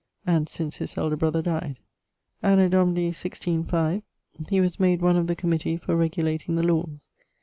and since his elder brother dyed. Anno Domini 165<1/2> he was made one of the comittee for regulating the lawes.